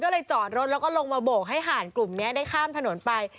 ก็เลยจอดรถแล้วก็ลงมาโบกให้หาดกลุ่มนี้ได้ข้ามถนนไป